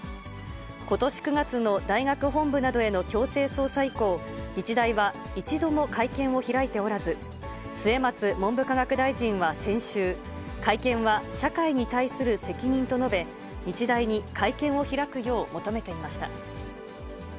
ことし９月の大学本部などへの強制捜査以降、日大は一度も会見を開いておらず、末松文部科学大臣は先週、会見は社会に対する責任と述べ、日大に会見を開くよう求めていました。